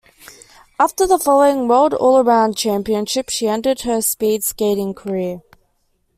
After the following World Allround Championships she ended her speedskating career.